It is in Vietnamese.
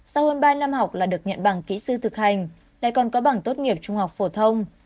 sau hơn ba năm học là được nhận bằng kỹ sư thực hành lại còn có bằng tốt nghiệp trung học phổ thông